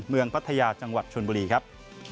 พัทยาจังหวัดชนบุรีครับ